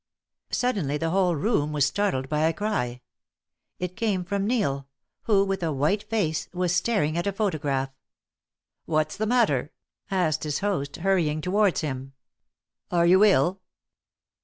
Suddenly the whole room was startled by a cry. It came from Neil, who, with a white face, was staring at a photograph. "What's the matter?" asked his host, hurrying towards him. "Are you ill?"